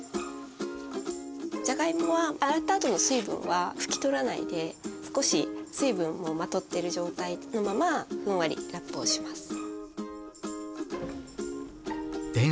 じゃがいもは洗ったあとの水分は拭き取らないで少し水分をまとっている状態のままふんわりラップをします。